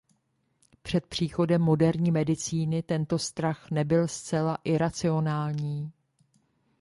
Před příchodem moderní medicíny tento strach nebyl zcela iracionální.